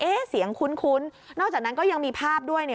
เสียงคุ้นนอกจากนั้นก็ยังมีภาพด้วยเนี่ย